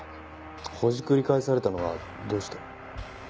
ほじくり返されたのはどうして？